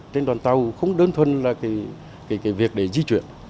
trên đoàn tàu không đơn thuần là việc để di chuyển